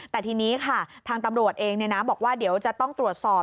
แต่ทีนี้ค่ะทางตำรวจเองบอกว่าเดี๋ยวจะต้องตรวจสอบ